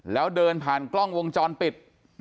แล้วเดินผ่านกล้องวงจรปิด